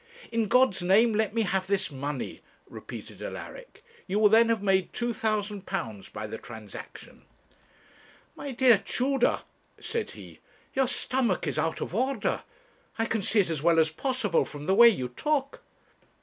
'In God's name let me have this money,' repeated Alaric. 'You will then have made two thousand pounds by the transaction.' 'My dear Tudor,' said he, 'your stomach is out of order, I can see it as well as possible from the way you talk.'